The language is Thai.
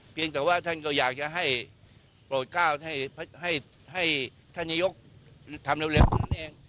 เพียงแต่ว่าท่านก็อยากจะให้โปรดก้าวให้ท่านนายกทำเร็วตรงนี้เอง